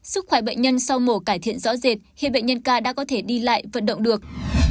sức khỏe bệnh nhân sau mổ cải thiện rõ rệt hiện bệnh nhân k đã có thể đi lại vận động được